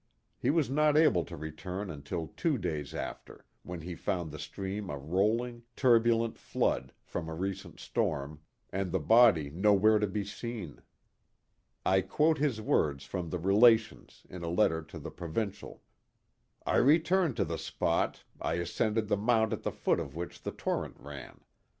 He was not able to return until two days after, when he found the stream a rolling, turbulent flood, from a recent storm, and the body nowhere to be seen. I quote his words from the RelationSy in a letter to the Provincial : I returned to the spot, I ascended the mount at the foot of which the torrent ran.